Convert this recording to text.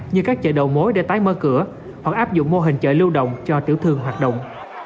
như các chợ đầu mối để tái mở cửa hoặc áp dụng mô hình chợ lưu động cho tiểu thương hoạt động